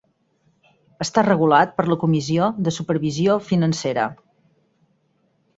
Està regulat per la Comissió de Supervisió Financera.